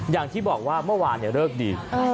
อย่างที่บอกว่าเมื่อวานเลิกดี